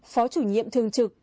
phó chủ nhiệm thường trực